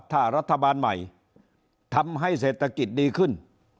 ถ้ารัฐบาลใหม่ทำให้เศรษฐกิจดีขึ้น